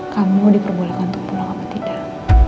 kamu diperbolehkan untuk pulang apa tidak